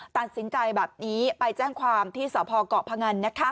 ตัดสินใจแบบนี้ไปแจ้งความที่สพเกาะพงัน